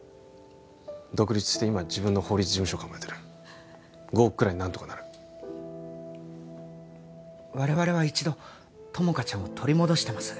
独立して今自分の法律事務所を構えてる５億くらい何とかなる我々は一度友果ちゃんを取り戻してます